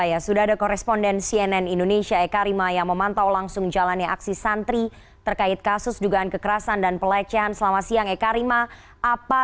assalamualaikum wr wb